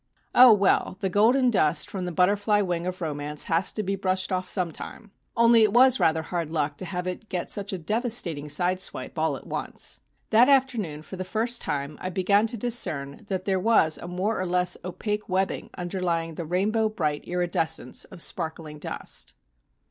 Oh, well, the golden dust from the butterfly wing of Romance has to be brushed off sometime; only it was rather hard luck to have it get such a devastating side swipe all at once. That afternoon for the first time I began to discern that there was a more or less opaque webbing underlying the rainbow bright iridescence of sparkling dust.